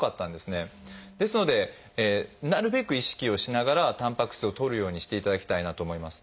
ですのでなるべく意識をしながらたんぱく質をとるようにしていただきたいなと思います。